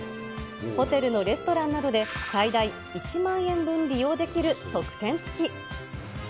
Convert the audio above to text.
ホテルのレストランなどで最大１万円分利用できる特典付き。